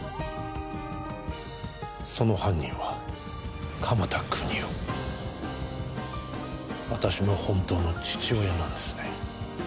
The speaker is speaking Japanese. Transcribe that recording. その犯人は、鎌田國士、私の本当の父親なんですね。